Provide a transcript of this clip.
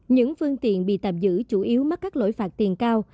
những phương tiện bị tạm giữ chủ yếu mắc các lỗi phạt tiền cao